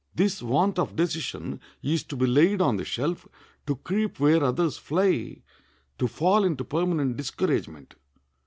This want of decision is to be laid on the shelf, to creep where others fly, to fall into permanent discouragement.